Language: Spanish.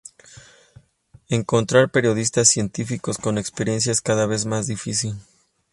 Encontrar periodistas científicos con experiencia es cada vez más difícil.